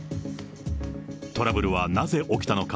トラブルはなぜ起きたのか。